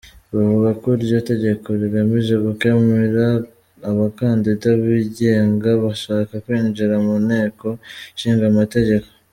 Bavuga ko iryo tegeko rigamije gukumira abakandida bigenga bashaka kwinjira mu Nteko Ishinga Amategeko.